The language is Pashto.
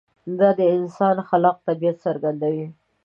دا د انسان خلاق طبیعت څرګندوي.